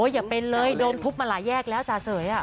อย่าเป็นเลยโดนทุบมาหลายแยกแล้วจ่าเสย